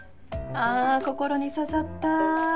あ心に刺さった。